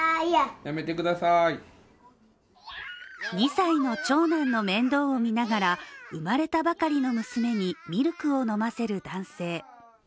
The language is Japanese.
２歳の長男の面倒を見ながら生まれたばかりの娘にミルクを飲ませる男性。